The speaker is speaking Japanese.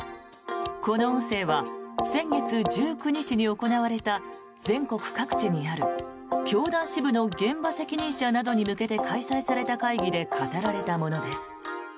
この音声は先月１９日に行われた全国各地にある教団支部の現場責任者などに向けて開催された会議で語られたものです。